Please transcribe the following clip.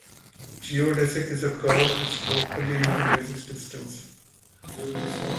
Geodesic is a curve which locally minimizes distance.